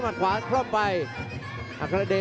ชาเลน์